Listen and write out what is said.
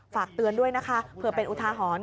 ฝากเตือนด้วยนะคะเผื่อเป็นอุทาหรณ์